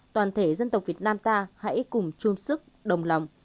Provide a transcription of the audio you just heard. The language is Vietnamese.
toàn thể dân tộc việt nam ta hãy cùng chung sức đồng lòng